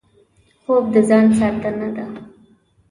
خوب د ځان ساتنه ده